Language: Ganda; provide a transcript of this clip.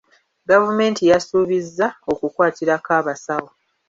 Gavumenti yasubizza okukwatirako abasawo.